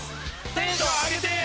テンション上げて！